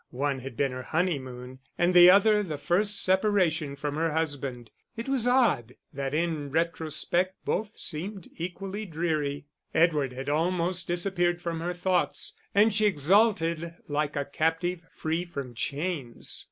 One had been her honeymoon, and the other the first separation from her husband: it was odd that in retrospect both seem equally dreary. Edward had almost disappeared from her thoughts, and she exulted like a captive free from chains.